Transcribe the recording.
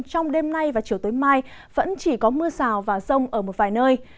trong đêm nay và chiều tối mai vẫn chỉ có mưa rào và rông ở một vài nơi